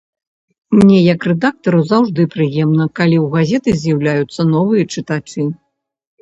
Мне як рэдактару заўжды прыемна, калі ў газеты з'яўляюцца новыя чытачы.